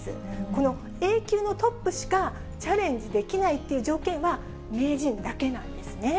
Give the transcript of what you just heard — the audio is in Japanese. このＡ級のトップしか、チャレンジできないっていう条件は名人だけなんですね。